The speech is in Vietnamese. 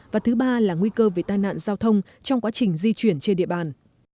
và thứ ba là nguy cơ về tai nạn giao thông trong quá trình di chuyển trên địa bàn